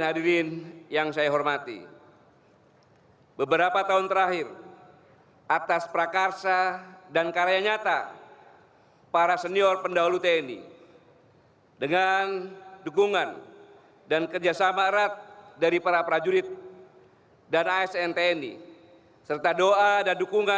hanya atas karsa dan karya para prajurit tni lah